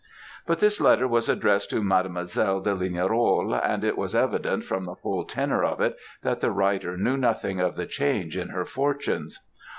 "But this letter was addressed to Mademoiselle de Lignerolles; and it was evident, from the whole tenour of it, that the writer knew nothing of the change in her fortunes.